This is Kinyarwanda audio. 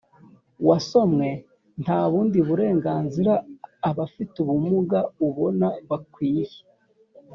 wasomwe nta bundi burenganzira abafite ubumuga ubona bakwiye